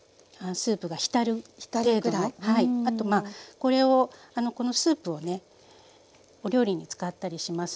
あとこれをこのスープをねお料理に使ったりしますので。